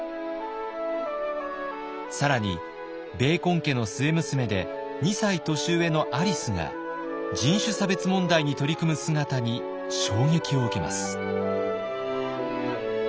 更にベーコン家の末娘で２歳年上のアリスが人種差別問題に取り組む姿に衝撃を受けます。